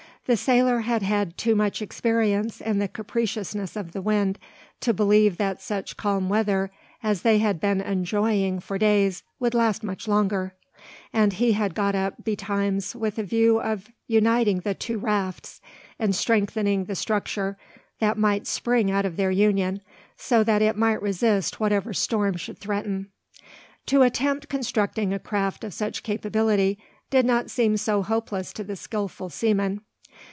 The sailor had had too much experience in the capriciousness of the wind to believe that such calm weather as they had been enjoying for days would last much longer; and he had got up betimes with a view of uniting the two rafts, and strengthening the structure that might spring out of their union, so that it might resist whatever storm should threaten. To attempt constructing a craft of such capability did not seem so hopeless to the skilful seaman.